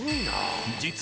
実は